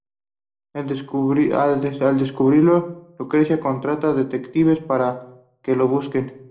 Al descubrirlo, Lucrecia contrata detectives para que los busquen.